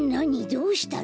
どうしたの。